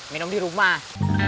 minum di rumah